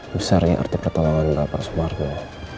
besarnya arti pertolongan bapak sumarno